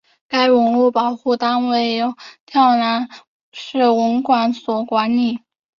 该文物保护单位由洮南市文管所管理。